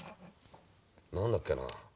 何だっけな。